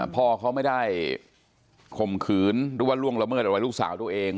พ่อเขาไม่ได้ข่มขืนหรือว่าล่วงละเมิดอะไรลูกสาวตัวเอง